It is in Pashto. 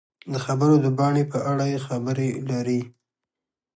د خبرو د بڼې په اړه یې خبرې لري.